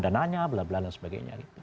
dananya blablabla dan sebagainya